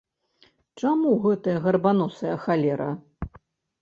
Чаму гэтая гарбаносая халера?